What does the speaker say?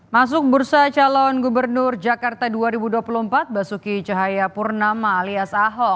masuk bursa calon gubernur jakarta dua ribu dua puluh empat basuki cahayapurnama alias ahok